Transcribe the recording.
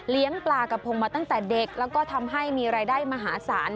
ปลากระพงมาตั้งแต่เด็กแล้วก็ทำให้มีรายได้มหาศาล